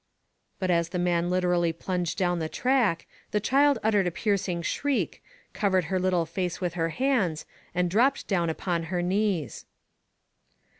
But as the man literally plunged down the track, the child uttered a piercing shriek, covered her little face with her hands, and dropped down upon her knees.